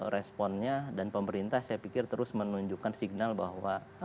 responnya dan pemerintah saya pikir terus menunjukkan signal bahwa